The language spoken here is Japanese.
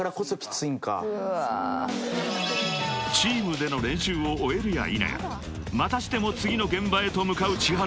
［チームでの練習を終えるやいなやまたしても次の現場へと向かうｃｈｉｈａｒｕ］